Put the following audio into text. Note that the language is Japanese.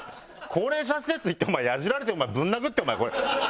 高齢者施設行って野次られてぶん殴ってお前これ。